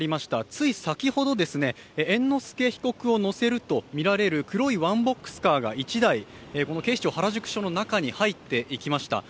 つい先ほど、猿之助被告を乗せるとみられる黒井ワンボックスカーが１台、警視庁原宿署の中に入っていきました。